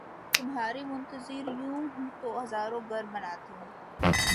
تمہاری منتظر یوں تو ہزاروں گھر بناتی ہوں